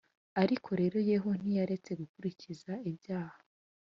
Ariko rero yehu ntiyaretse gukurikiza ibyaha